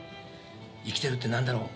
生きてるって何だろう